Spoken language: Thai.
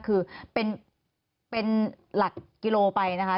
คือเป็นหลักกิโลไปนะคะ